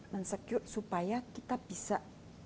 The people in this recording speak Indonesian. mensecure supaya kita bisa